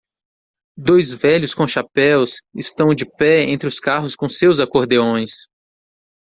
Dois velhos com chapéus estão de pé entre os carros com seus acordeões.